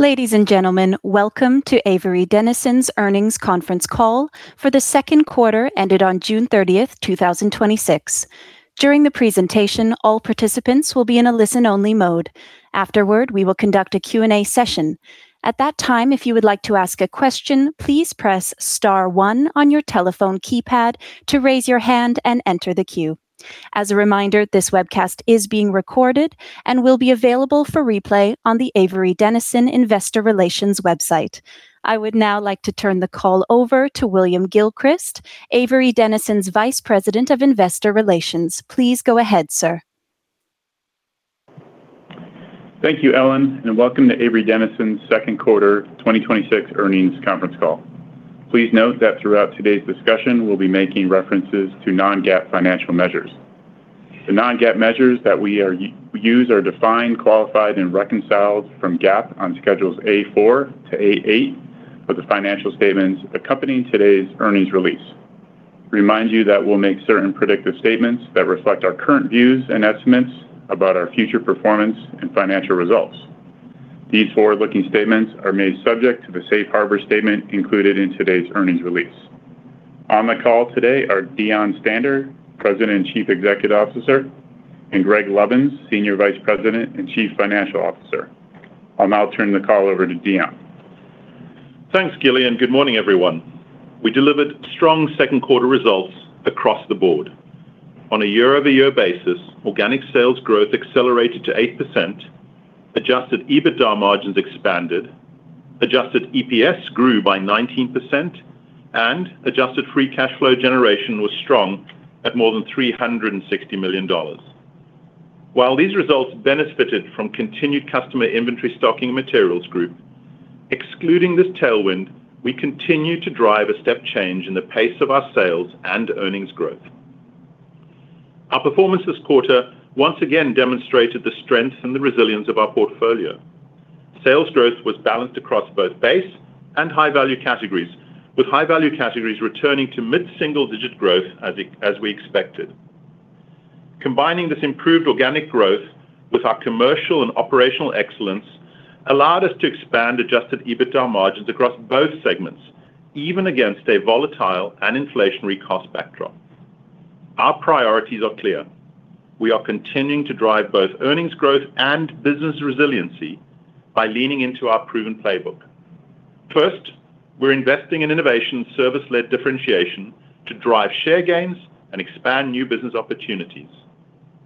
Ladies and gentlemen, welcome to Avery Dennison's earnings conference call for the second quarter ended on June 30th, 2026. During the presentation, all participants will be in a listen-only mode. Afterward, we will conduct a Q&A session. At that time, if you would like to ask a question, please press star one on your telephone keypad to raise your hand and enter the queue. As a reminder, this webcast is being recorded and will be available for replay on the Avery Dennison Investor Relations website. I would now like to turn the call over to William Gilchrist, Avery Dennison's Vice President of Investor Relations. Please go ahead, sir. Thank you, Ellen, and welcome to Avery Dennison's second quarter 2026 earnings conference call. Please note that throughout today's discussion, we'll be making references to non-GAAP financial measures. The non-GAAP measures that we use are defined, qualified, and reconciled from GAAP on Schedules A4 to A8 of the financial statements accompanying today's earnings release. Remind you that we'll make certain predictive statements that reflect our current views and estimates about our future performance and financial results. These forward-looking statements are made subject to the safe harbor statement included in today's earnings release. On the call today are Deon Stander, President and Chief Executive Officer, and Greg Lovins, Senior Vice President and Chief Financial Officer. I'll now turn the call over to Deon. Thanks, Gilly, and good morning, everyone. We delivered strong second quarter results across the board. On a year-over-year basis, organic sales growth accelerated to 8%, adjusted EBITDA margins expanded, adjusted EPS grew by 19%, and adjusted free cash flow generation was strong at more than $360 million. While these results benefited from continued customer inventory stocking Materials Group, excluding this tailwind, we continue to drive a step change in the pace of our sales and earnings growth. Our performance this quarter once again demonstrated the strength and the resilience of our portfolio. Sales growth was balanced across both base and high-value categories, with high-value categories returning to mid-single digit growth as we expected. Combining this improved organic growth with our commercial and operational excellence allowed us to expand adjusted EBITDA margins across both segments, even against a volatile and inflationary cost backdrop. Our priorities are clear. We are continuing to drive both earnings growth and business resiliency by leaning into our proven playbook. First, we're investing in innovation and service-led differentiation to drive share gains and expand new business opportunities.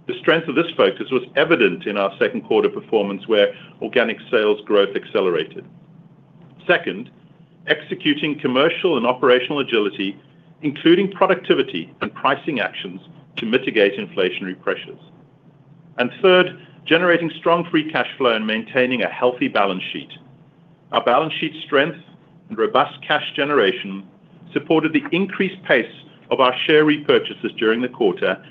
The strength of this focus was evident in our second quarter performance, where organic sales growth accelerated. Second, executing commercial and operational agility, including productivity and pricing actions to mitigate inflationary pressures. Third, generating strong free cash flow and maintaining a healthy balance sheet. Our balance sheet strength and robust cash generation supported the increased pace of our share repurchases during the quarter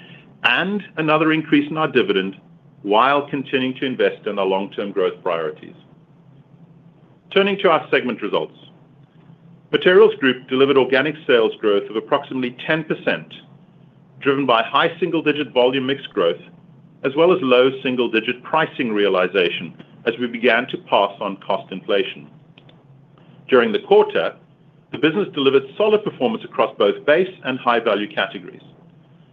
and another increase in our dividend while continuing to invest in our long-term growth priorities. Turning to our segment results. Materials Group delivered organic sales growth of approximately 10%, driven by high single-digit volume mix growth, as well as low double-digit pricing realization as we began to pass on cost inflation. During the quarter, the business delivered solid performance across both base and high-value categories.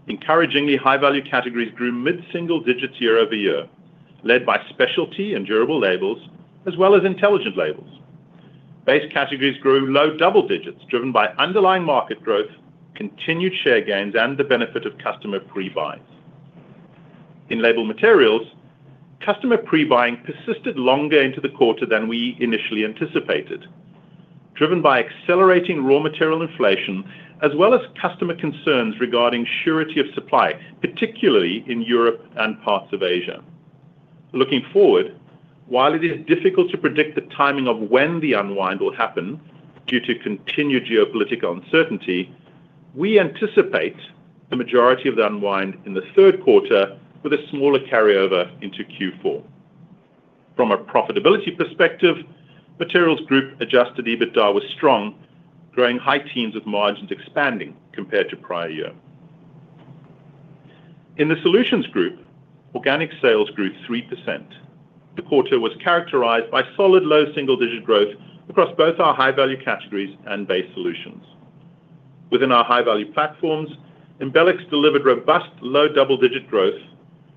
Encouragingly, high-value categories grew mid-single digits year-over-year, led by specialty and durable labels, as well as Intelligent Labels. Base categories grew low double digits, driven by underlying market growth, continued share gains, and the benefit of customer pre-buys. In Label Materials, customer pre-buying persisted longer into the quarter than we initially anticipated, driven by accelerating raw material inflation, as well as customer concerns regarding surety of supply, particularly in Europe and parts of Asia. Looking forward, while it is difficult to predict the timing of when the unwind will happen due to continued geopolitical uncertainty, we anticipate the majority of the unwind in the third quarter with a smaller carryover into Q4. From a profitability perspective, Materials Group adjusted EBITDA was strong, growing high teens with margins expanding compared to prior year. In the Solutions Group, organic sales grew 3%. The quarter was characterized by solid low double-digit growth across both our high-value categories and base solutions. Within our high-value platforms, Embelex delivered robust low double-digit growth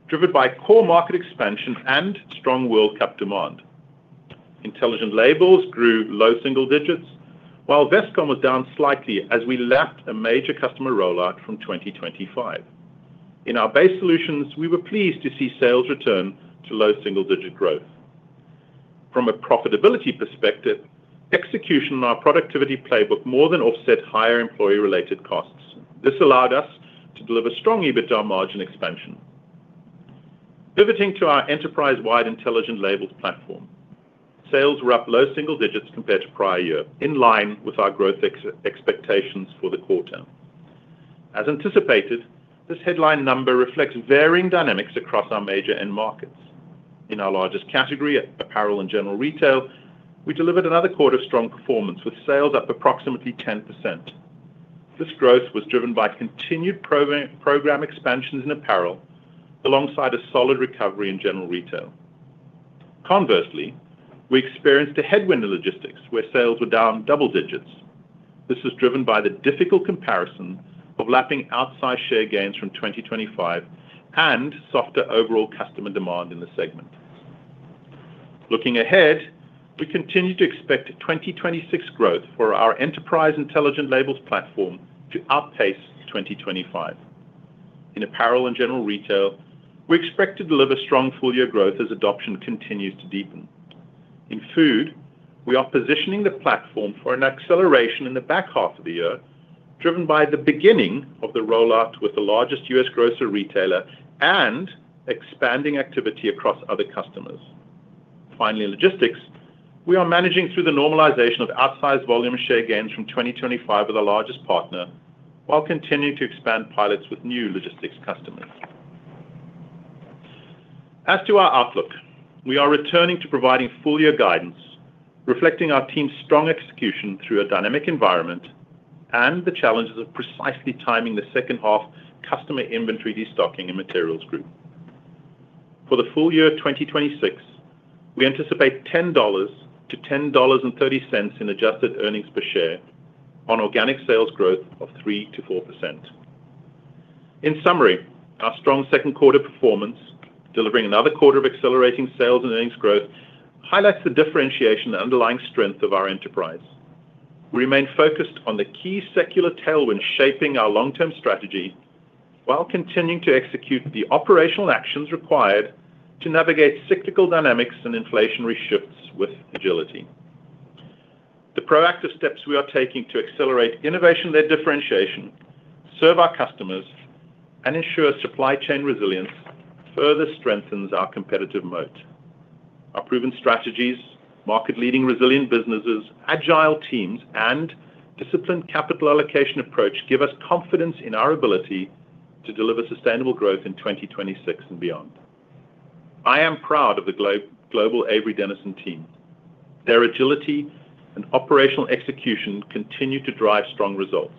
driven by core market expansion and strong World Cup demand. Intelligent Labels grew low single digits, while Vestcom was down slightly as we lapped a major customer rollout from 2025. In our base solutions, we were pleased to see sales return to low single-digit growth. From a profitability perspective, execution on our productivity playbook more than offset higher employee-related costs. This allowed us to deliver strong EBITDA margin expansion. Pivoting to our enterprise-wide Intelligent Labels platform. Sales were up low single digits compared to prior year, in line with our growth expectations for the quarter. As anticipated, this headline number reflects varying dynamics across our major end markets. In our largest category, apparel and general retail, we delivered another quarter of strong performance with sales up approximately 10%. This growth was driven by continued program expansions in apparel alongside a solid recovery in general retail. Conversely, we experienced a headwind in logistics where sales were down double digits. This was driven by the difficult comparison of lapping outsized share gains from 2025 and softer overall customer demand in the segment. Looking ahead, we continue to expect 2026 growth for our enterprise Intelligent Labels platform to outpace 2025. In apparel and general retail, we expect to deliver strong full-year growth as adoption continues to deepen. In food, we are positioning the platform for an acceleration in the back half of the year, driven by the beginning of the rollout with the largest U.S. grocer retailer and expanding activity across other customers. Finally, in logistics, we are managing through the normalization of outsized volume share gains from 2025 with the largest partner, while continuing to expand pilots with new logistics customers. As to our outlook, we are returning to providing full-year guidance, reflecting our team's strong execution through a dynamic environment and the challenges of precisely timing the second half customer inventory destocking in Materials Group. For the full year 2026, we anticipate $10-$10.30 in adjusted earnings per share on organic sales growth of 3%-4%. In summary, our strong second quarter performance, delivering another quarter of accelerating sales and earnings growth, highlights the differentiation and underlying strength of our enterprise. We remain focused on the key secular tailwinds shaping our long-term strategy while continuing to execute the operational actions required to navigate cyclical dynamics and inflationary shifts with agility. The proactive steps we are taking to accelerate innovation-led differentiation, serve our customers, and ensure supply chain resilience further strengthens our competitive moat. Our proven strategies, market-leading resilient businesses, agile teams, and disciplined capital allocation approach give us confidence in our ability to deliver sustainable growth in 2026 and beyond. I am proud of the global Avery Dennison team. Their agility and operational execution continue to drive strong results,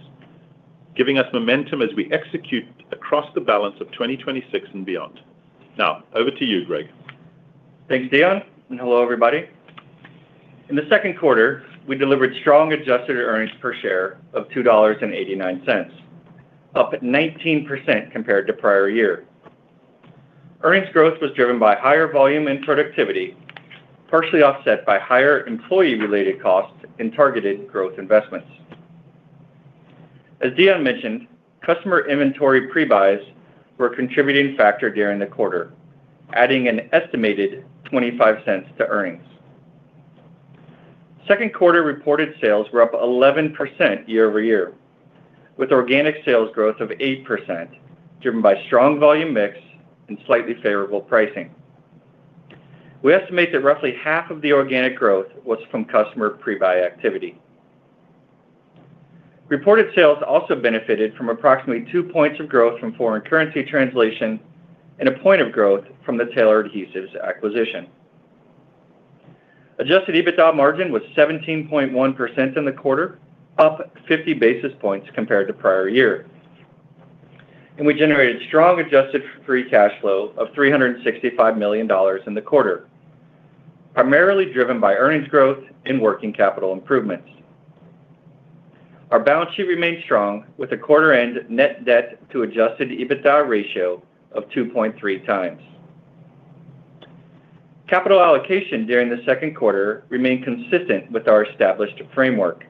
giving us momentum as we execute across the balance of 2026 and beyond. Now, over to you, Greg, Thanks, Deon. Hello, everybody. In the second quarter, we delivered strong adjusted earnings per share of $2.89, up 19% compared to prior year. Earnings growth was driven by higher volume and productivity, partially offset by higher employee-related costs and targeted growth investments. As Deon mentioned, customer inventory pre-buys were a contributing factor during the quarter, adding an estimated $0.25 to earnings. Second quarter reported sales were up 11% year-over-year, with organic sales growth of 8%, driven by strong volume mix and slightly favorable pricing. We estimate that roughly half of the organic growth was from customer pre-buy activity. Reported sales also benefited from approximately two points of growth from foreign currency translation and a point of growth from the Taylor Adhesives acquisition. Adjusted EBITDA margin was 17.1% in the quarter, up 50 basis points compared to prior year. We generated strong adjusted free cash flow of $365 million in the quarter, primarily driven by earnings growth and working capital improvements. Our balance sheet remains strong, with a quarter end net debt to adjusted EBITDA ratio of 2.3xbtw. Capital allocation during the second quarter remained consistent with our established framework.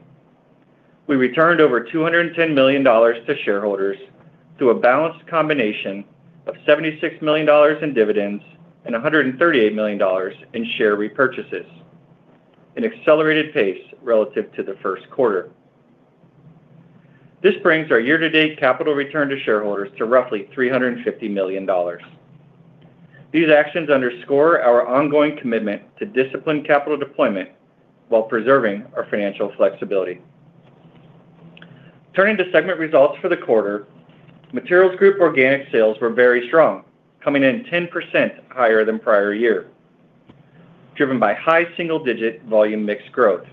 We returned over $210 million to shareholders through a balanced combination of $76 million in dividends and $138 million in share repurchases, an accelerated pace relative to the first quarter. This brings our year-to-date capital return to shareholders to roughly $350 million. These actions underscore our ongoing commitment to disciplined capital deployment while preserving our financial flexibility. Turning to segment results for the quarter, Materials Group organic sales were very strong, coming in 10% higher than prior year, driven by high single-digit volume mix growth.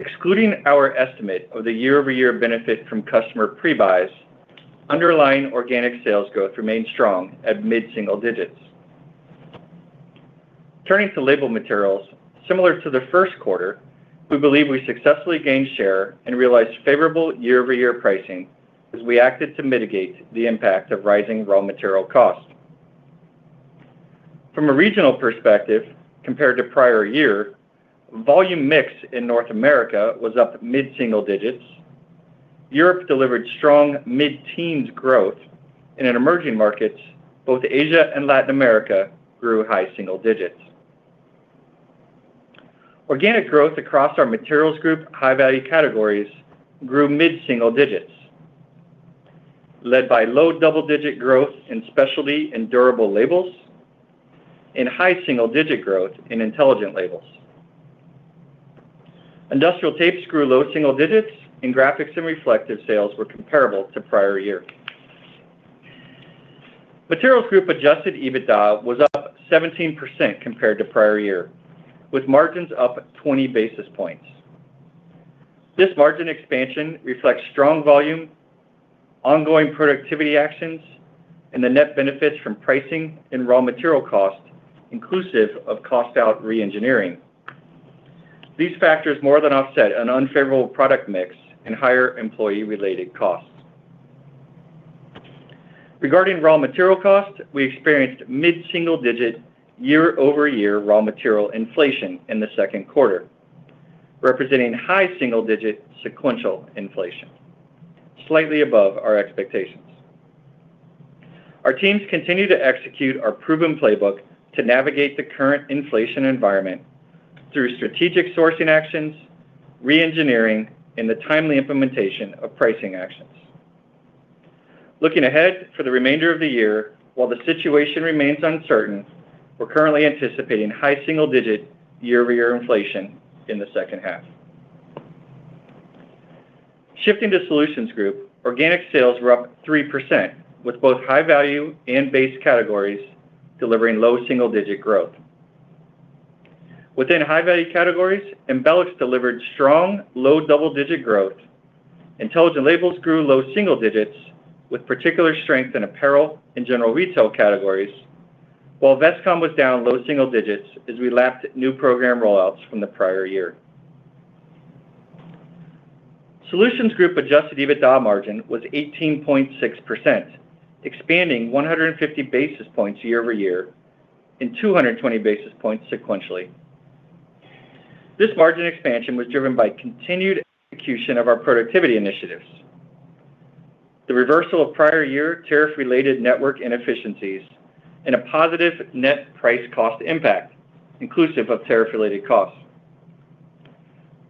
Excluding our estimate of the year-over-year benefit from customer pre-buys, underlying organic sales growth remained strong at mid-single digits. Turning to Label Materials, similar to the first quarter, we believe we successfully gained share and realized favorable year-over-year pricing as we acted to mitigate the impact of rising raw material costs. From a regional perspective, compared to prior year, volume mix in North America was up mid-single digits. Europe delivered strong mid-teens growth. In emerging markets, both Asia and Latin America grew high single digits. Organic growth across our Materials Group high-value categories grew mid-single digits, led by low double-digit growth in specialty and durable labels and high single-digit growth in Intelligent Labels. Industrial tapes grew low single digits, and graphics and reflective sales were comparable to prior year. Materials Group adjusted EBITDA was up 17% compared to prior year, with margins up 20 basis points. This margin expansion reflects strong volume, ongoing productivity actions, and the net benefits from pricing and raw material cost, inclusive of cost-out re-engineering. These factors more than offset an unfavorable product mix and higher employee-related costs. Regarding raw material costs, we experienced mid-single-digit year-over-year raw material inflation in the second quarter, representing high single-digit sequential inflation, slightly above our expectations. Our teams continue to execute our proven playbook to navigate the current inflation environment through strategic sourcing actions, re-engineering, and the timely implementation of pricing actions. Looking ahead for the remainder of the year, while the situation remains uncertain, we're currently anticipating high single-digit year-over-year inflation in the second half. Shifting to Solutions Group, organic sales were up 3%, with both high-value and base categories delivering low double-digit growth. Within high-value categories, embellishments delivered strong low double-digit growth. Intelligent Labels grew low single digits with particular strength in apparel and general retail categories. While Vestcom was down low single digits as we lapped new program rollouts from the prior year. Solutions Group adjusted EBITDA margin was 18.6%, expanding 150 basis points year-over-year, and 220 basis points sequentially. This margin expansion was driven by continued execution of our productivity initiatives, the reversal of prior year tariff-related network inefficiencies, and a positive net price cost impact inclusive of tariff-related costs.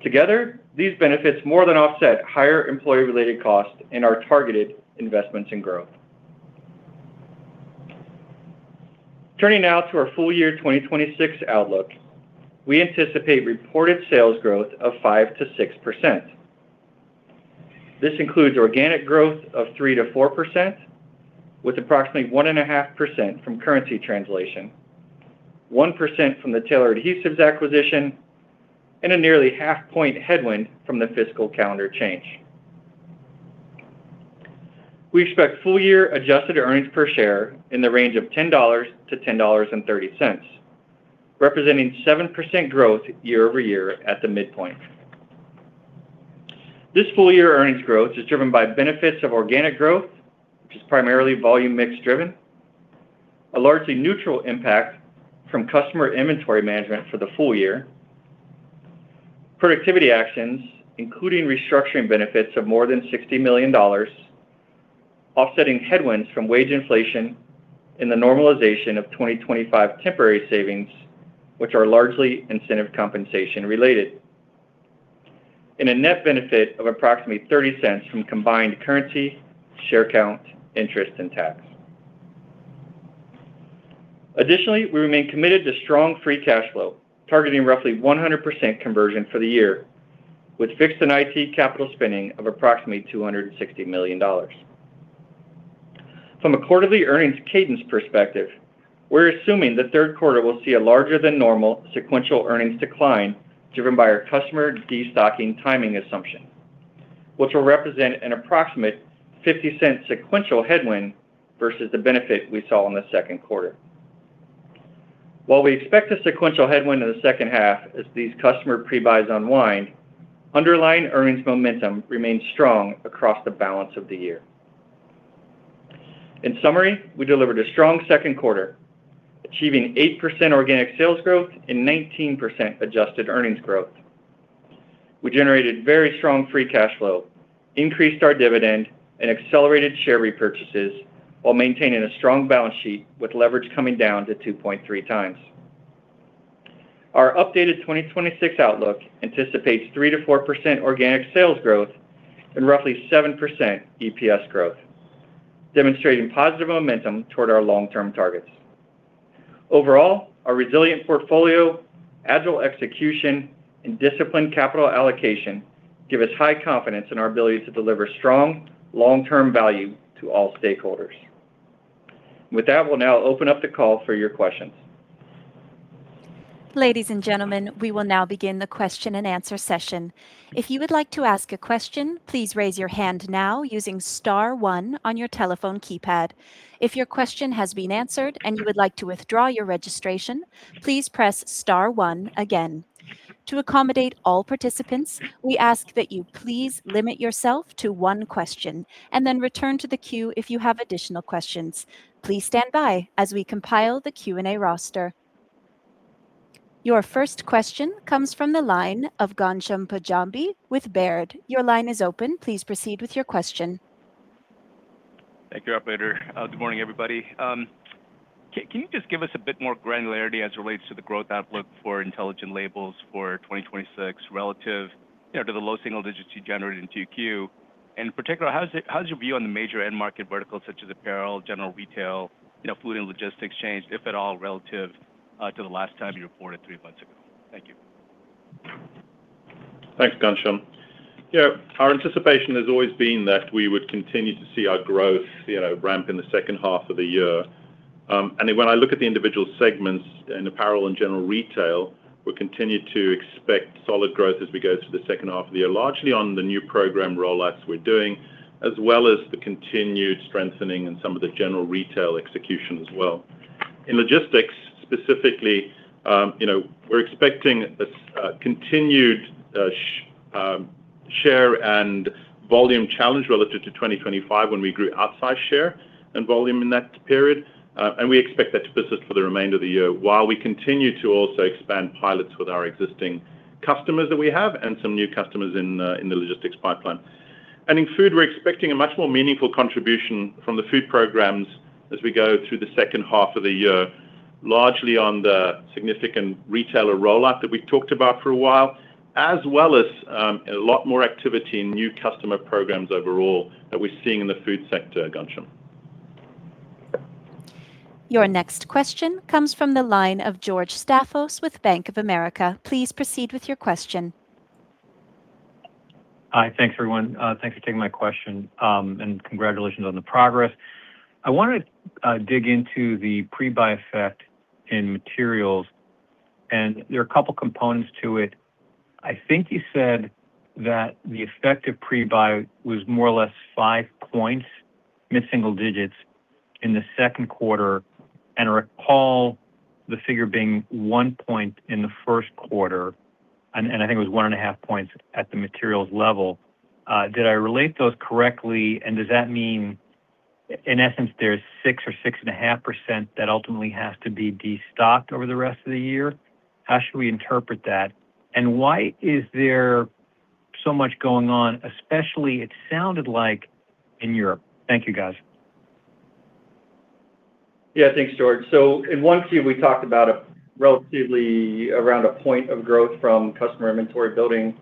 Together, these benefits more than offset higher employee-related costs and our targeted investments in growth. Turning now to our full-year 2026 outlook. We anticipate reported sales growth of 5%-6%. This includes organic growth of 3%-4%, with approximately 1.5% from currency translation, 1% from the Taylor Adhesives acquisition, and a nearly half point headwind from the fiscal calendar change. We expect full-year adjusted earnings per share in the range of $10-$10.30, representing 7% growth year-over-year at the midpoint. This full-year earnings growth is driven by benefits of organic growth, which is primarily volume mix driven, a largely neutral impact from customer inventory management for the full year, productivity actions, including restructuring benefits of more than $60 million, offsetting headwinds from wage inflation, and the normalization of 2025 temporary savings, which are largely incentive compensation related in a net benefit of approximately $0.30 from combined currency, share count, interest, and tax. Additionally, we remain committed to strong free cash flow, targeting roughly 100% conversion for the year with fixed and IT capital spending of approximately $260 million. From a quarterly earnings cadence perspective, we're assuming the third quarter will see a larger than normal sequential earnings decline driven by our customer destocking timing assumption, which will represent an approximate $0.50 sequential headwind versus the benefit we saw in the second quarter. While we expect a sequential headwind in the second half as these customer pre-buys unwind, underlying earnings momentum remains strong across the balance of the year. In summary, we delivered a strong second quarter, achieving 8% organic sales growth and 19% adjusted earnings growth. We generated very strong free cash flow, increased our dividend, and accelerated share repurchases while maintaining a strong balance sheet with leverage coming down to 2.3x. Our updated 2026 outlook anticipates 3%-4% organic sales growth and roughly 7% EPS growth, demonstrating positive momentum toward our long-term targets. Overall, our resilient portfolio, agile execution, and disciplined capital allocation give us high confidence in our ability to deliver strong long-term value to all stakeholders. With that, we'll now open up the call for your questions. Ladies and gentlemen, we will now begin the question and answer session. If you would like to ask a question, please raise your hand now using star one on your telephone keypad. If your question has been answered and you would like to withdraw your registration, please press star one again. To accommodate all participants, we ask that you please limit yourself to one question and then return to the queue if you have additional questions. Please stand by as we compile the Q&A roster. Your first question comes from the line of Ghansham Panjabi with Baird. Your line is open. Please proceed with your question. Thank you, operator. Good morning, everybody. Can you just give us a bit more granularity as it relates to the growth outlook for Intelligent Labels for 2026 relative to the low single digits you generated in Q2? In particular, how has your view on the major end market verticals such as apparel, general retail, food, and logistics changed, if at all, relative to the last time you reported three months ago? Thank you. Thanks, Ghansham. Yeah, our anticipation has always been that we would continue to see our growth ramp in the second half of the year. When I look at the individual segments in apparel and general retail, we continue to expect solid growth as we go through the second half of the year, largely on the new program rollouts we're doing, as well as the continued strengthening in some of the general retail execution as well. In logistics, specifically, we're expecting this continued share and volume challenge relative to 2025 when we grew outsized share and volume in that period, and we expect that to persist for the remainder of the year while we continue to also expand pilots with our existing customers that we have and some new customers in the logistics pipeline. In food, we're expecting a much more meaningful contribution from the food programs as we go through the second half of the year, largely on the significant retailer rollout that we've talked about for a while, as well as a lot more activity in new customer programs overall that we're seeing in the food sector, Ghansham. Your next question comes from the line of George Staphos with Bank of America. Please proceed with your question. Hi, thanks everyone. Thanks for taking my question, and congratulations on the progress. I want to dig into the pre-buy effect in Materials Group, and there are a couple components to it. I think you said that the effect of pre-buy was more or less five points, mid-single digits in the second quarter, and I recall the figure being one point in the first quarter, and I think it was one and a half points at the Materials Group level. Did I relate those correctly, and does that mean, in essence, there's 6% or 6.5% that ultimately has to be destocked over the rest of the year? How should we interpret that, and why is there so much going on, especially, it sounded like in Europe? Thank you, guys. Thanks, George. In Q1, we talked about relatively around one point of growth from customer inventory building.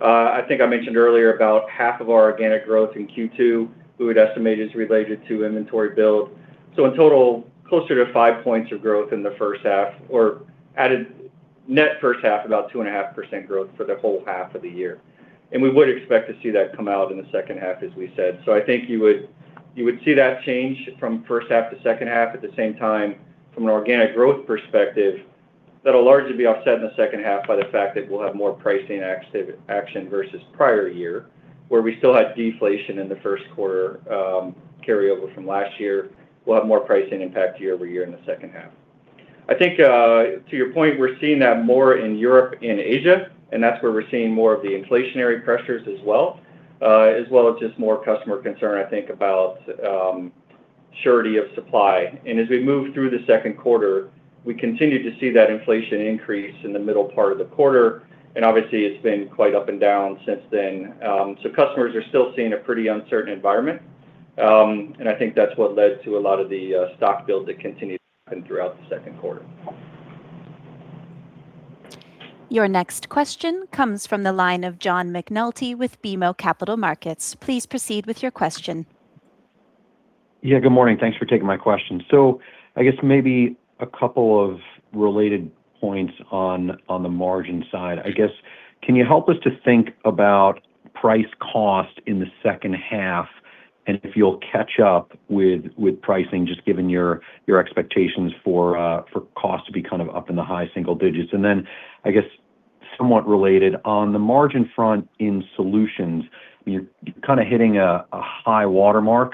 I think I mentioned earlier about half of our organic growth in Q2 we would estimate is related to inventory build. In total, closer to five points of growth in the first half, or added net first half, about 2.5% growth for the whole half of the year. We would expect to see that come out in the second half, as we said. I think you would see that change from first half to second half. At the same time, from an organic growth perspective, that'll largely be offset in the second half by the fact that we'll have more pricing action versus prior year, where we still had deflation in the first quarter, carryover from last year. We'll have more pricing impact year-over-year in the second half. I think, to your point, we're seeing that more in Europe and Asia, and that's where we're seeing more of the inflationary pressures as well, as well as just more customer concern, I think, about surety of supply. As we move through the second quarter, we continued to see that inflation increase in the middle part of the quarter. Obviously, it's been quite up and down since then. Customers are still seeing a pretty uncertain environment, and I think that's what led to a lot of the stock build that continued throughout the second quarter. Your next question comes from the line of John McNulty with BMO Capital Markets. Please proceed with your question. Good morning. Thanks for taking my question. I guess maybe a couple of related points on the margin side. I guess, can you help us to think about price cost in the second half and if you'll catch up with pricing, just given your expectations for cost to be kind of up in the high single digits? Then, I guess somewhat related, on the margin front in Solutions, you're kind of hitting a high water mark.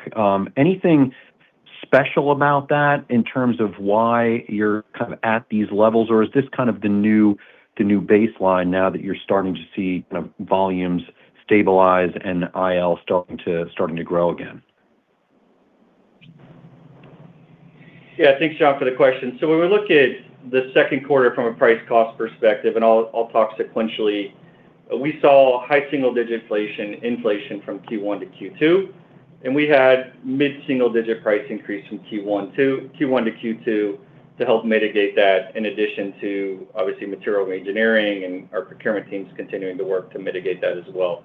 Anything special about that in terms of why you're at these levels, or is this the new baseline now that you're starting to see volumes stabilize and IL starting to grow again? Thanks, John, for the question. When we look at the second quarter from a price cost perspective, and I'll talk sequentially, we saw high single-digit inflation from Q1 to Q2, and we had mid-single digit price increase from Q1 to Q2 to help mitigate that, in addition to, obviously, material engineering and our procurement teams continuing to work to mitigate that as well.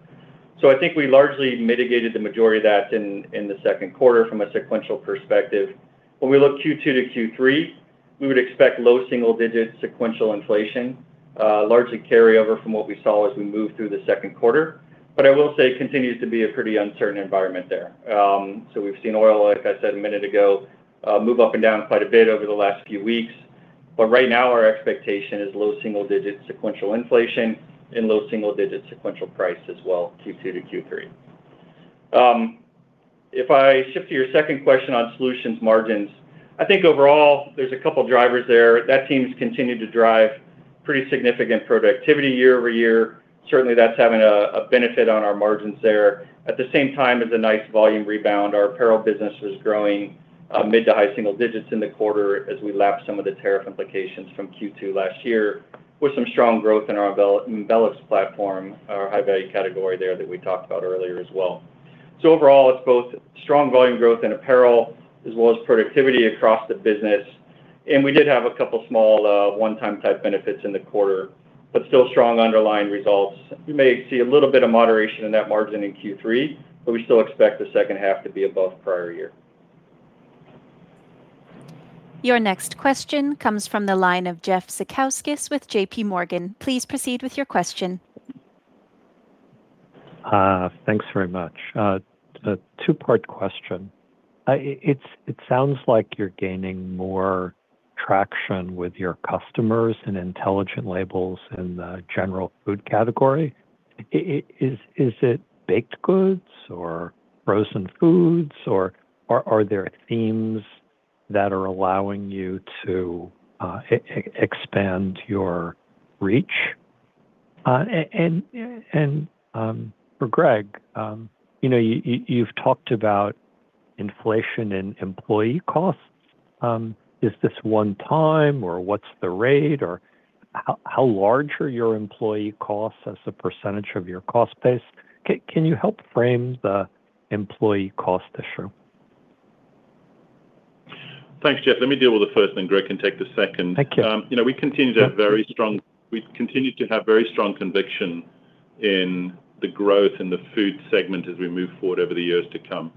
I think we largely mitigated the majority of that in the second quarter from a sequential perspective. When we look Q2 to Q3, we would expect low single-digit sequential inflation, largely carryover from what we saw as we moved through the second quarter. I will say it continues to be a pretty uncertain environment there. We've seen oil, like I said a minute ago, move up and down quite a bit over the last few weeks. Right now, our expectation is low single-digit sequential inflation and low single-digit sequential price as well, Q2 to Q3. If I shift to your second question on Solutions margins, I think overall, there's a couple of drivers there. That team's continued to drive pretty significant productivity year-over-year. Certainly, that's having a benefit on our margins there. At the same time, there's a nice volume rebound. Our apparel business is growing mid to high single digits in the quarter as we lap some of the tariff implications from Q2 last year, with some strong growth in our embellishments platform, our high-value category there that we talked about earlier as well. Overall, it's both strong volume growth in apparel as well as productivity across the business. And we did have a couple small one-time type benefits in the quarter, but still strong underlying results. You may see a little bit of moderation in that margin in Q3, we still expect the second half to be above prior year. Your next question comes from the line of Jeff Zekauskas with JPMorgan. Please proceed with your question. Thanks very much. A two-part question. It sounds like you're gaining more traction with your customers in Intelligent Labels in the general food category. Is it baked goods or frozen foods, or are there themes that are allowing you to expand your reach? For Greg, you've talked about inflation in employee costs. Is this one-time, or what's the rate, or how large are your employee costs as a percentage of your cost base? Can you help frame the employee cost issue? Thanks, Jeff. Let me deal with the first, then Greg can take the second. Thank you. We continue to have very strong conviction in the growth in the food segment as we move forward over the years to come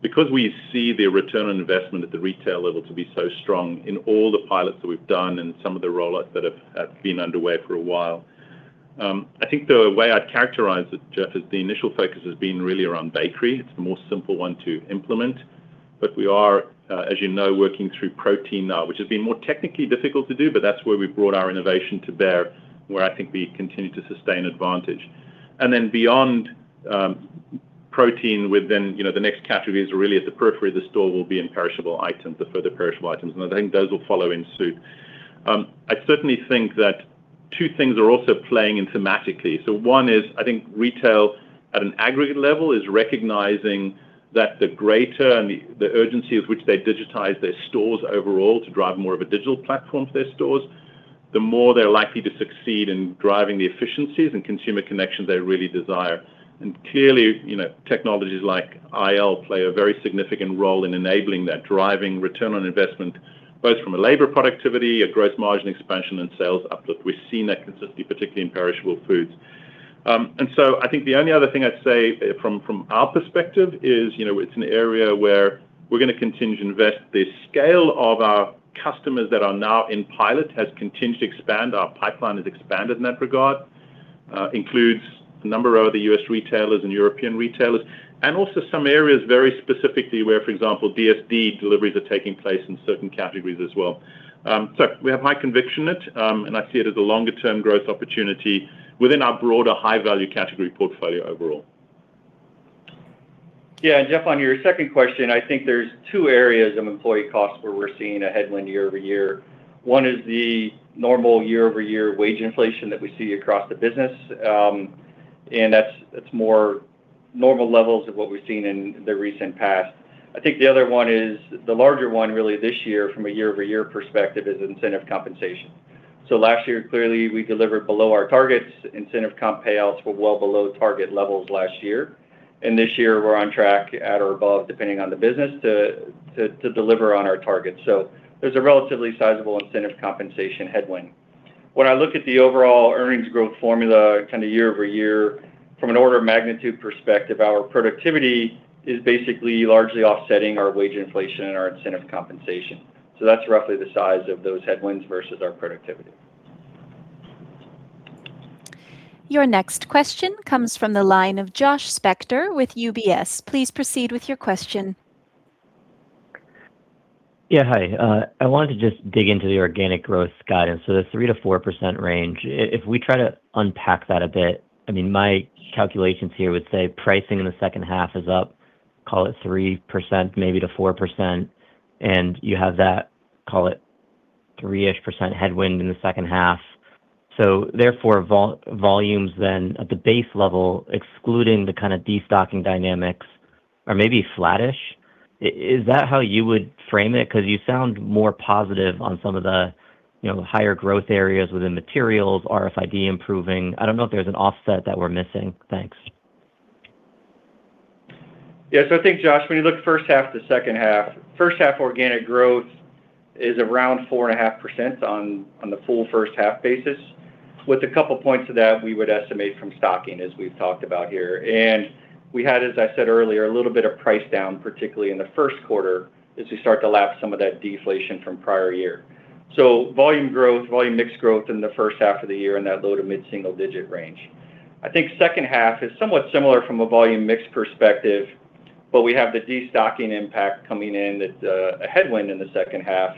because we see the return on investment at the retail level to be so strong in all the pilots that we've done and some of the roll-outs that have been underway for a while. I think the way I'd characterize it, Jeff, is the initial focus has been really around bakery. It's the more simple one to implement. We are, as you know, working through protein now, which has been more technically difficult to do, but that's where we've brought our innovation to bear, where I think we continue to sustain advantage. Beyond protein, the next categories are really at the periphery of the store will be in perishable items, the further perishable items, and I think those will follow in suit. I certainly think that two things are also playing in thematically. One is, I think retail at an aggregate level is recognizing that the greater the urgency of which they digitize their stores overall to drive more of a digital platform to their stores, the more they're likely to succeed in driving the efficiencies and consumer connections they really desire. Clearly, technologies like IL play a very significant role in enabling that, driving return on investment, both from a labor productivity, a gross margin expansion, and sales uplift. We've seen that consistently, particularly in perishable foods. I think the only other thing I'd say from our perspective is it's an area where we're going to continue to invest. The scale of our customers that are now in pilot has continued to expand. Our pipeline has expanded in that regard, includes a number of other U.S. retailers and European retailers, and also some areas very specifically where, for example, DSD deliveries are taking place in certain categories as well. We have high conviction in it, and I see it as a longer-term growth opportunity within our broader high-value category portfolio overall. Jeff, on your second question, I think there's two areas of employee costs where we're seeing a headwind year-over-year. One is the normal year-over-year wage inflation that we see across the business, and that's more normal levels of what we've seen in the recent past. I think the other one is the larger one really this year from a year-over-year perspective is incentive compensation. Last year, clearly, we delivered below our targets. Incentive comp payouts were well below target levels last year. This year, we're on track at or above, depending on the business, to deliver on our targets. There's a relatively sizable incentive compensation headwind. When I look at the overall earnings growth formula year-over-year from an order of magnitude perspective, our productivity is basically largely offsetting our wage inflation and our incentive compensation. That's roughly the size of those headwinds versus our productivity. Your next question comes from the line of Josh Spector with UBS. Please proceed with your question. Yeah, hi. I wanted to just dig into the organic growth guidance. The 3%-4% range, if we try to unpack that a bit, my calculations here would say pricing in the second half is up, call it 3%, maybe to 4%, and you have that, call it 3%-ish headwind in the second half. Therefore, volumes then at the base level, excluding the kind of destocking dynamics are maybe flattish. Is that how you would frame it? Because you sound more positive on some of the higher growth areas within materials, RFID improving. I don't know if there's an offset that we're missing. Thanks. Yeah. I think, Josh, when you look first half to second half, first half organic growth is around 4.5% on the full first half basis. With a couple points of that, we would estimate from stocking, as we've talked about here. We had, as I said earlier, a little bit of price down, particularly in the first quarter, as we start to lap some of that deflation from prior year. Volume growth, volume mix growth in the first half of the year in that low to mid-single digit range. I think second half is somewhat similar from a volume mix perspective, but we have the destocking impact coming in that's a headwind in the second half,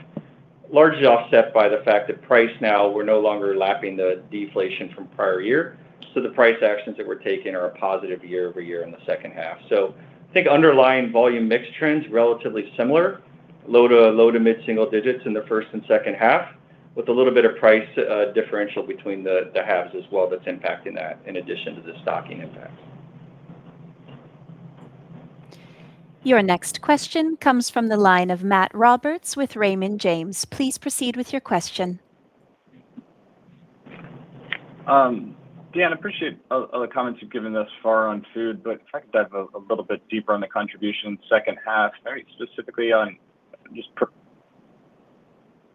largely offset by the fact that price now we're no longer lapping the deflation from prior year. The price actions that we're taking are a positive year-over-year in the second half. I think underlying volume mix trends relatively similar, low to mid-single digits in the first and second half, with a little bit of price differential between the halves as well that's impacting that in addition to the stocking impact. Your next question comes from the line of Matt Roberts with Raymond James. Please proceed with your question. Deon, appreciate all the comments you've given thus far on food, try to dive a little bit deeper on the contribution second half, very specifically on just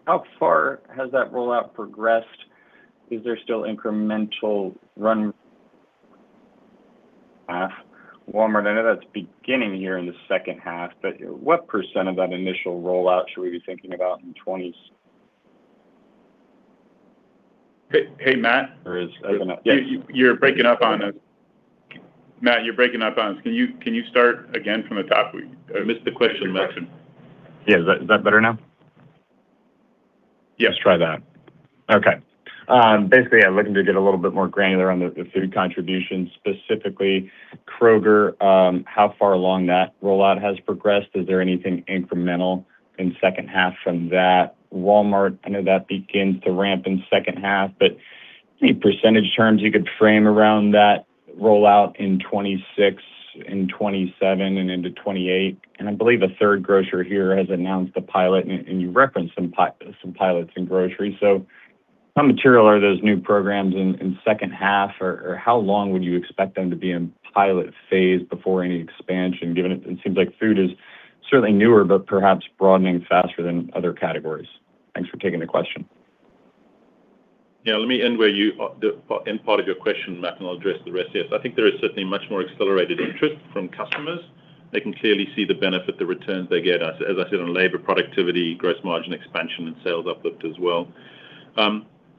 how far has that rollout progressed? Is there still incremental run Walmart, I know that's beginning here in the second half, what percent of that initial rollout should we be thinking about in 2026? Hey, Matt. Is, I don't know. Yeah. You're breaking up on us. Matt, you're breaking up on us. Can you start again from the top? I missed the question. Yeah. Is that better now? Yes, try that. Okay. Basically, I'm looking to get a little bit more granular on the food contribution, specifically Kroger, how far along that rollout has progressed. Is there anything incremental in second half from that? Walmart, I know that begins to ramp in second half, but any percentage terms you could frame around that rollout in 2026, in 2027, and into 2028? I believe a third grocer here has announced a pilot, and you referenced some pilots in grocery. How material are those new programs in second half, or how long would you expect them to be in pilot phase before any expansion, given it seems like food is certainly newer, but perhaps broadening faster than other categories? Thanks for taking the question. Yeah, let me end part of your question, Matt, and I'll address the rest. Yes, I think there is certainly much more accelerated interest from customers. They can clearly see the benefit, the returns they get, as I said, on labor productivity, gross margin expansion, and sales uplift as well.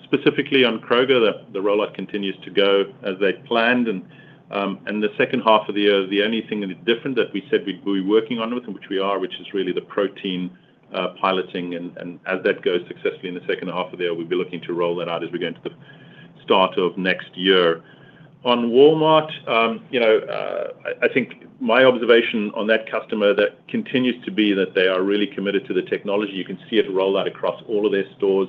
Specifically on Kroger, the rollout continues to go as they'd planned. The second half of the year, the only thing that is different that we said we'd be working on with, and which we are, which is really the protein piloting. As that goes successfully in the second half of the year, we'll be looking to roll that out as we go into the start of next year. On Walmart, I think my observation on that customer, that continues to be that they are really committed to the technology. You can see it roll out across all of their stores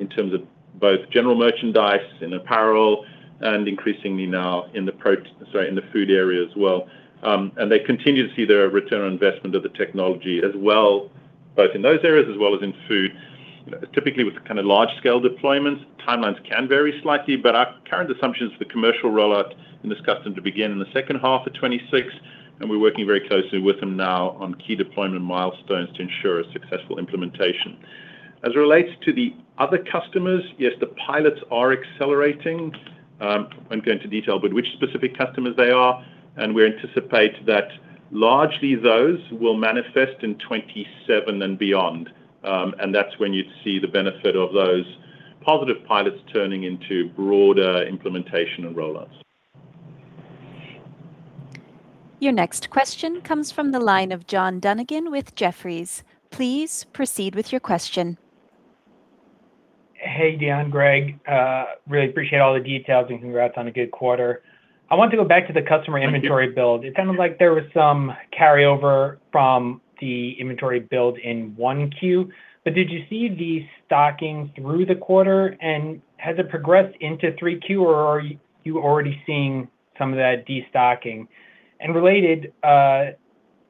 in terms of both general merchandise and apparel, and increasingly now in the food area as well. They continue to see their return on investment of the technology as well, both in those areas as well as in food. Typically, with the kind of large-scale deployments, timelines can vary slightly. Our current assumption is for the commercial rollout in this customer to begin in the second half of 2026, and we're working very closely with them now on key deployment milestones to ensure a successful implementation. As it relates to the other customers, yes, the pilots are accelerating. I won't go into detail, but which specific customers they are, we anticipate that largely those will manifest in 2027 and beyond. That's when you'd see the benefit of those positive pilots turning into broader implementation and rollouts. Your next question comes from the line of John Dunigan with Jefferies. Please proceed with your question. Hey, Deon, Greg. Really appreciate all the details and congrats on a good quarter. I wanted to go back to the customer inventory build. It sounded like there was some carryover from the inventory build in 1Q. Did you see destocking through the quarter, and has it progressed into Q3, or are you already seeing some of that destocking? Related,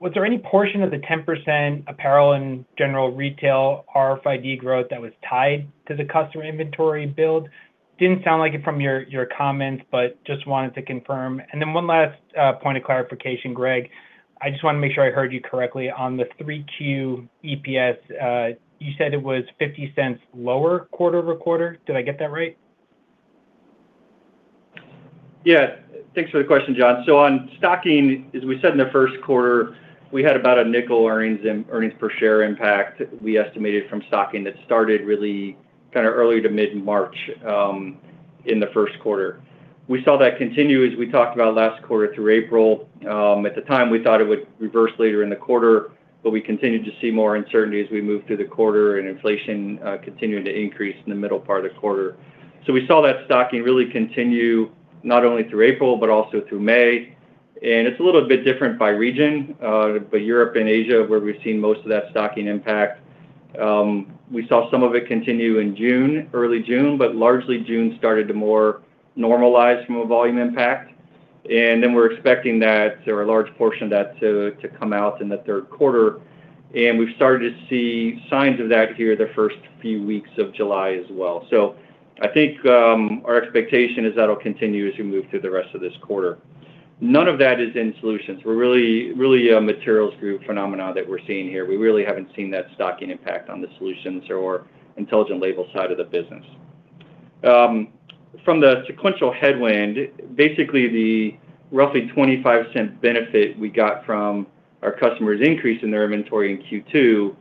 was there any portion of the 10% apparel and general retail RFID growth that was tied to the customer inventory build? Didn't sound like it from your comments, but just wanted to confirm. One last point of clarification, Greg. I just want to make sure I heard you correctly. On the Q3 EPS, you said it was $0.50 lower quarter-over-quarter. Did I get that right? Yeah. Thanks for the question, John. On stocking, as we said in the first quarter, we had about a $0.05 earnings and earnings per share impact we estimated from stocking that started really kind of early to mid-March in the first quarter. We saw that continue, as we talked about last quarter, through April. At the time, we thought it would reverse later in the quarter, but we continued to see more uncertainty as we moved through the quarter and inflation continuing to increase in the middle part of the quarter. We saw that stocking really continue not only through April but also through May, and it's a little bit different by region. Europe and Asia, where we've seen most of that stocking impact, we saw some of it continue in June, early June, but largely June started to more normalize from a volume impact. We're expecting that or a large portion of that to come out in the third quarter. We've started to see signs of that here the first few weeks of July as well. I think our expectation is that'll continue as we move through the rest of this quarter. None of that is in solutions. We're really a Materials Group phenomena that we're seeing here. We really haven't seen that stocking impact on the solutions or Intelligent Labels side of the business. From the sequential headwind, basically the roughly $0.25 benefit we got from our customers increase in their inventory in Q2,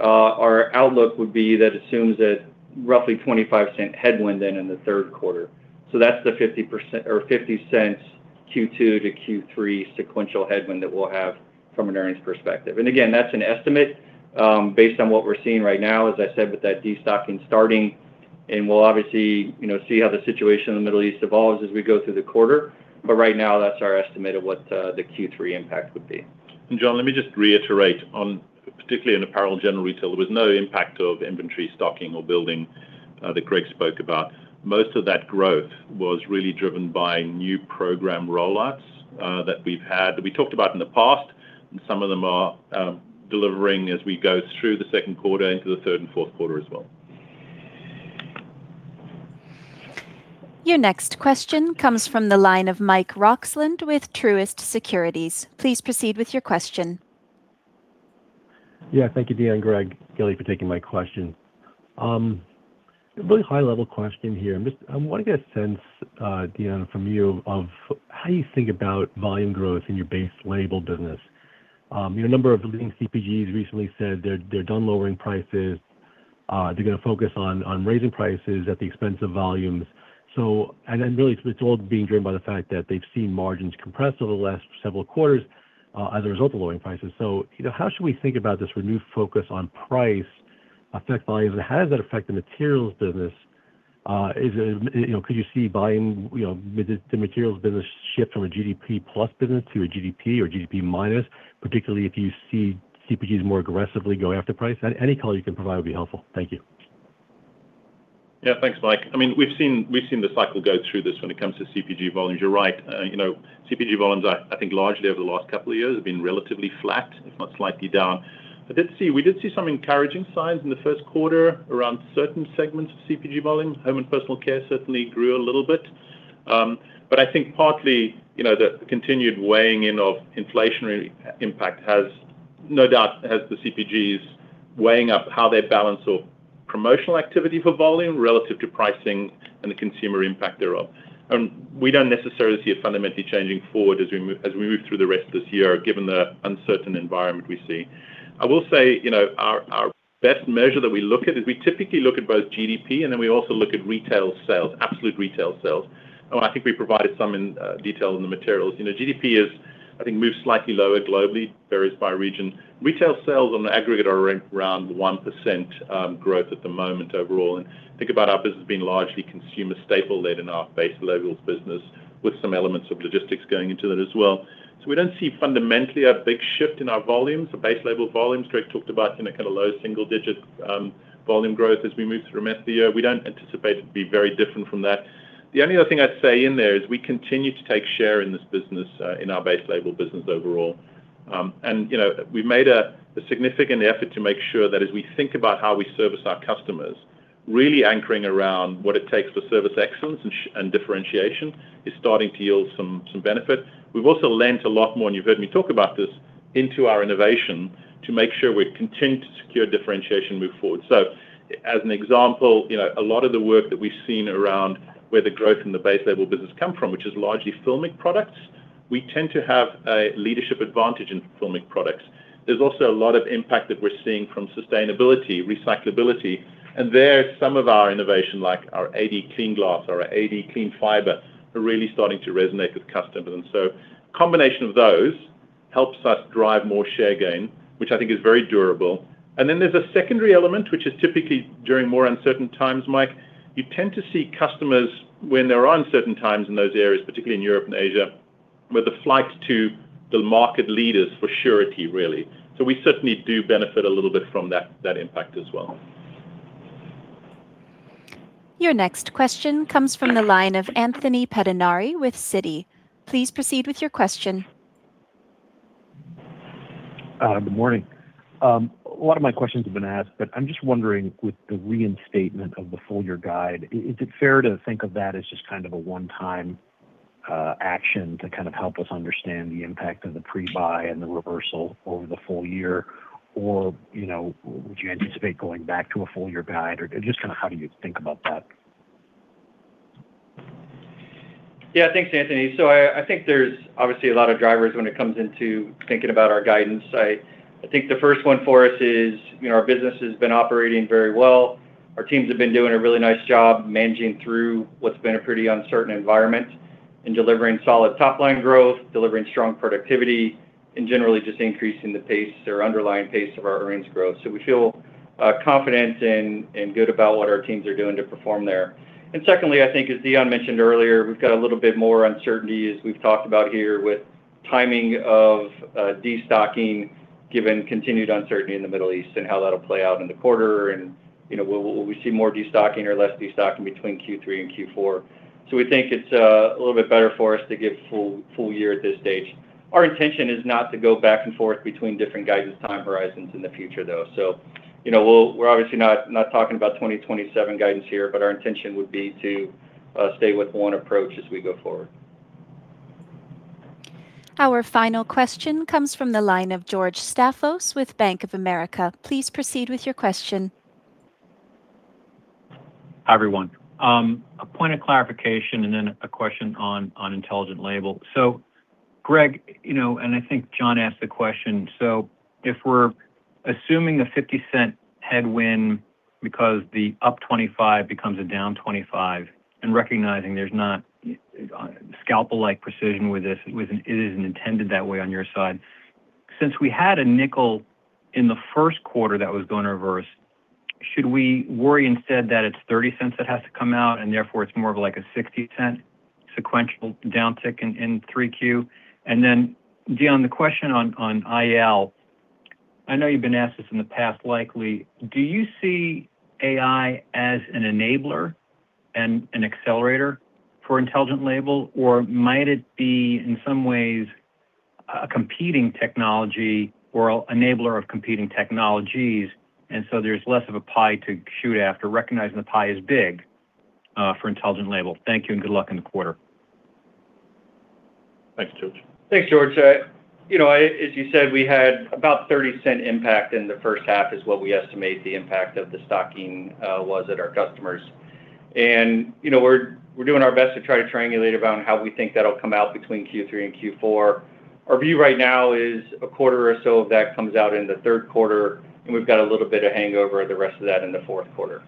our outlook would be that assumes that roughly $0.25 headwind then in the third quarter. That's the $0.50 Q2 to Q3 sequential headwind that we'll have from an earnings perspective. Again, that's an estimate based on what we're seeing right now, as I said, with that destocking starting, and we'll obviously see how the situation in the Middle East evolves as we go through the quarter. Right now, that's our estimate of what the Q3 impact would be. John, let me just reiterate on, particularly in apparel and general retail, there was no impact of inventory stocking or building that Greg spoke about. Most of that growth was really driven by new program rollouts that we've had, that we talked about in the past, and some of them are delivering as we go through the second quarter into the third and fourth quarter as well. Your next question comes from the line of Mike Roxland with Truist Securities. Please proceed with your question. Thank you, Deon, Greg, Gilly, for taking my questions. A really high-level question here. I want to get a sense, Deon, from you of how you think about volume growth in your base label business. A number of leading CPGs recently said they're done lowering prices. They're going to focus on raising prices at the expense of volumes. Really, it's all being driven by the fact that they've seen margins compress over the last several quarters as a result of lowering prices. How should we think about this renewed focus on price affect volumes? And how does that affect the materials business? Could you see buying the materials business shift from a GDP plus business to a GDP or GDP minus, particularly if you see CPGs more aggressively going after price? Any color you can provide would be helpful. Thank you. Thanks, Mike. We've seen the cycle go through this when it comes to CPG volumes. You're right. CPG volumes, I think largely over the last couple of years, have been relatively flat, if not slightly down. We did see some encouraging signs in the first quarter around certain segments of CPG volumes. Home and personal care certainly grew a little bit. I think partly, the continued weighing in of inflationary impact has no doubt has the CPGs weighing up how they balance promotional activity for volume relative to pricing and the consumer impact thereof. We don't necessarily see it fundamentally changing forward as we move through the rest of this year, given the uncertain environment we see. I will say, our best measure that we look at is we typically look at both GDP, and then we also look at retail sales, absolute retail sales. I think we provided some detail in the materials. GDP has, I think, moved slightly lower globally, varies by region. Retail sales on aggregate are around 1% growth at the moment overall. Think about our business being largely consumer staple led in our base labels business with some elements of logistics going into that as well. We don't see fundamentally a big shift in our volumes. The base label volumes Greg talked about in a kind of low double-digit volume growth as we move through the rest of the year. We don't anticipate it to be very different from that. The only other thing I'd say in there is we continue to take share in this business, in our base label business overall. We've made a significant effort to make sure that as we think about how we service our customers, really anchoring around what it takes for service excellence and differentiation is starting to yield some benefit. We've also lent a lot more, and you've heard me talk about this, into our innovation to make sure we continue to secure differentiation moving forward. As an example, a lot of the work that we've seen around where the growth in the base label business come from, which is largely filmic products, we tend to have a leadership advantage in filmic products. There's also a lot of impact that we're seeing from sustainability, recyclability, and there, some of our innovation, like our AD CleanGlass or our AD CleanFiber, are really starting to resonate with customers. A combination of those helps us drive more share gain, which I think is very durable. There's a secondary element, which is typically during more uncertain times, Mike, you tend to see customers when there are uncertain times in those areas, particularly in Europe and Asia, with the flight to the market leaders for surety, really. We certainly do benefit a little bit from that impact as well. Your next question comes from the line of Anthony Pettinari with Citi. Please proceed with your question. Good morning. A lot of my questions have been asked, but I'm just wondering with the reinstatement of the full year guide, is it fair to think of that as just kind of a one-time action to kind of help us understand the impact of the pre-buy and the reversal over the full year? Would you anticipate going back to a full year guide? Just how do you think about that? Yeah. Thanks, Anthony. I think there's obviously a lot of drivers when it comes into thinking about our guidance. I think the first one for us is our business has been operating very well. Our teams have been doing a really nice job managing through what's been a pretty uncertain environment and delivering solid top-line growth, delivering strong productivity, and generally just increasing the pace or underlying pace of our earnings growth. We feel confident and good about what our teams are doing to perform there. Secondly, I think as Deon mentioned earlier, we've got a little bit more uncertainty as we've talked about here with timing of de-stocking given continued uncertainty in the Middle East and how that'll play out in the quarter and will we see more de-stocking or less de-stocking between Q3 and Q4. We think it's a little bit better for us to give full year at this stage. Our intention is not to go back and forth between different guidance time horizons in the future, though. We're obviously not talking about 2027 guidance here, but our intention would be to stay with one approach as we go forward. Our final question comes from the line of George Staphos with Bank of America. Please proceed with your question. Hi, everyone. A point of clarification and then a question on intelligent label. Greg, and I think John asked the question, if we're assuming a $0.50 headwind because the up 25 becomes a down 25, and recognizing there's not scalpel-like precision with this, it isn't intended that way on your side. Since we had a $0.05 in the first quarter that was going to reverse, should we worry instead that it's $0.30 that has to come out and therefore it's more of like a $0.60 sequential downtick in 3Q? Deon, the question on IL, I know you've been asked this in the past likely, do you see AI as an enabler and an accelerator for Intelligent Labels? Might it be, in some ways, a competing technology or enabler of competing technologies, there's less of a pie to shoot after recognizing the pie is big for Intelligent Labels. Thank you, and good luck in the quarter. Thanks, George. Thanks, George. As you said, we had about $0.30 impact in the first half is what we estimate the impact of the stocking was at our customers. We're doing our best to try to triangulate around how we think that'll come out between Q3 and Q4. Our view right now is a quarter or so of that comes out in the third quarter, and we've got a little bit of hangover of the rest of that in the fourth quarter.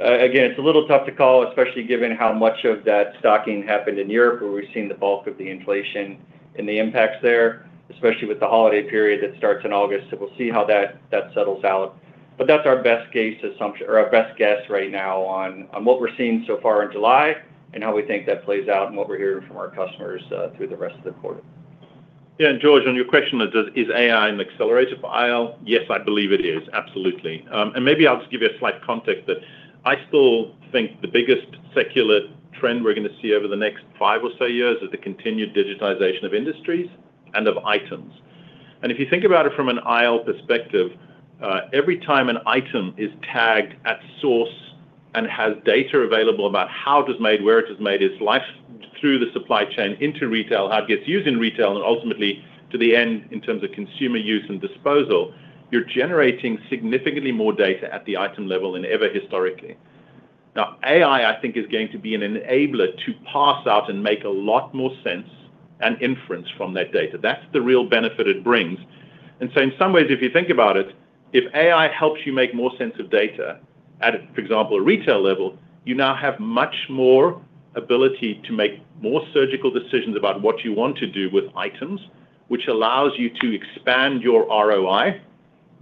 Again, it's a little tough to call, especially given how much of that stocking happened in Europe, where we've seen the bulk of the inflation and the impacts there, especially with the holiday period that starts in August. We'll see how that settles out. That's our best guess right now on what we're seeing so far in July and how we think that plays out and what we're hearing from our customers through the rest of the quarter. George, on your question, is AI an accelerator for IL? Yes, I believe it is, absolutely. Maybe I'll just give you a slight context that I still think the biggest secular trend we're going to see over the next five or so years is the continued digitization of industries and of items. If you think about it from an IL perspective, every time an item is tagged at source and has data available about how it is made, where it is made, its life through the supply chain into retail, how it gets used in retail, and ultimately to the end in terms of consumer use and disposal, you're generating significantly more data at the item level than ever historically. AI, I think is going to be an enabler to parse out and make a lot more sense and inference from that data. That's the real benefit it brings. In some ways, if you think about it, if AI helps you make more sense of data at, for example, a retail level, you now have much more ability to make more surgical decisions about what you want to do with items, which allows you to expand your ROI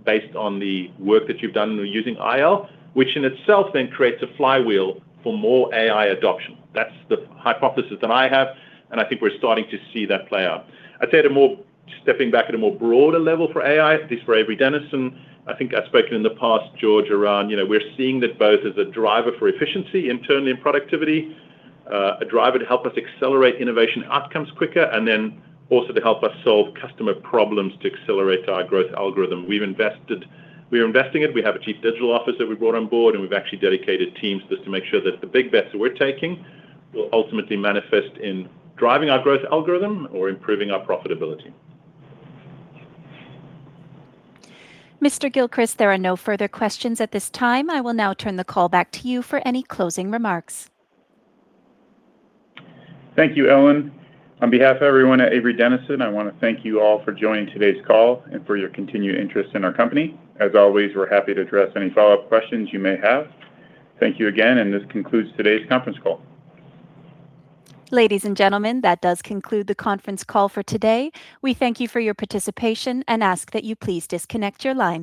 based on the work that you've done using IL, which in itself creates a flywheel for more AI adoption. That's the hypothesis that I have, I think we're starting to see that play out. I'd say stepping back at a more broader level for AI, at least for Avery Dennison, I think I've spoken in the past, George, around we're seeing that both as a driver for efficiency internally in productivity, a driver to help us accelerate innovation outcomes quicker, also to help us solve customer problems to accelerate our growth algorithm. We're investing it. We have a chief digital officer we brought on board, we've actually dedicated teams just to make sure that the big bets that we're taking will ultimately manifest in driving our growth algorithm or improving our profitability. Mr. Gilchrist, there are no further questions at this time. I will now turn the call back to you for any closing remarks. Thank you, Ellen. On behalf of everyone at Avery Dennison, I want to thank you all for joining today's call and for your continued interest in our company. As always, we're happy to address any follow-up questions you may have. Thank you again, and this concludes today's conference call. Ladies and gentlemen, that does conclude the conference call for today. We thank you for your participation and ask that you please disconnect your lines.